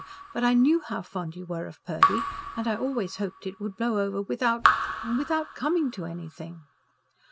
But I knew how fond you were of Purdy. And I always hoped it would blow over without ... without coming to anything."